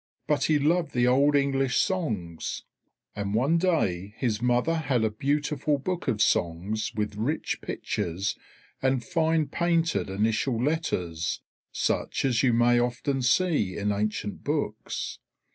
But he loved the old English songs; and one day his mother had a beautiful book of songs with rich pictures and fine painted initial letters, such as you may often see in ancient books.